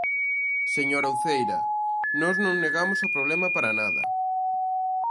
Señora Uceira, nós non negamos o problema para nada.